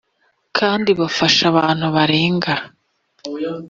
kandi bafasha abantu barenga.